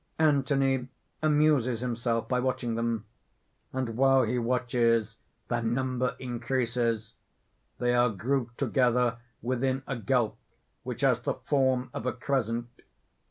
_ Anthony amuses himself by watching them; and while he watches, their number increases. _They are grouped together within a gulf which has the form of a crescent.